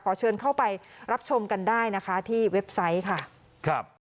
เชิญเข้าไปรับชมกันได้นะคะที่เว็บไซต์ค่ะครับ